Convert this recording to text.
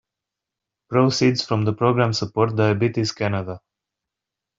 Proceeds from the program support Diabetes Canada.